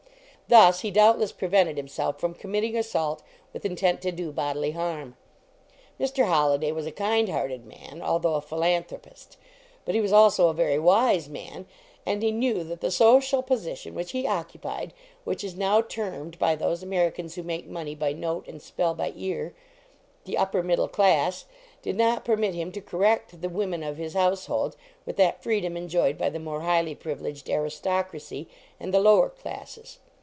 Thus he doubtless prevented himself from committing assault with intent to do bodily harm. Mr. Holliday was a 10 I.KAUNIXG TO II UK A THE kind hearted man, although a philanthropist. But he was also a very wise man, and he knew that the social position which he occu pied which is now termed, by those Ameri cans who make money by note and spell by ear, the " upper middle class " did not per mit him to correct the women of his house hold with that freedom enjoyed by the more highly privileged aristocracy and the lower classes.